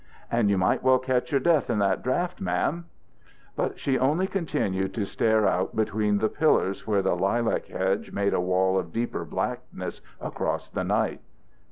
"And you might well catch your death in that draft, ma'am." But she only continued to stare out between the pillars where the lilac hedge made a wall of deeper blackness across the night.